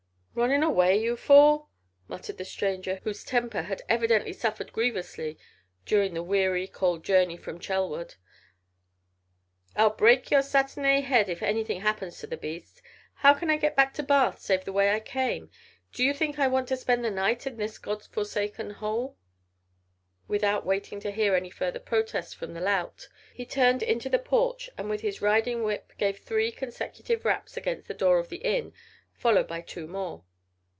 "Running away, you fool!" muttered the stranger, whose temper had evidently suffered grievously during the weary, cold journey from Chelwood. "I'll break your satané head if anything happens to the beasts. How can I get back to Bath save the way I came? Do you think I want to spend the night in this God forsaken hole?" Without waiting to hear any further protests from the lout, he turned into the porch and with his riding whip gave three consecutive raps against the door of the inn, followed by two more.